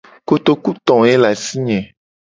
Kotoku to ye le asi nye.